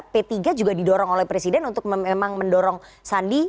p tiga juga didorong oleh presiden untuk memang mendorong sandi